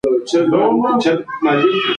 ښه خبر ورو خپرېږي